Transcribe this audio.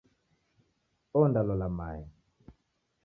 Onda lola mae.